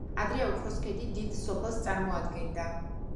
ადრე ოქროსქედი დიდ სოფელს წარმოადგენდა.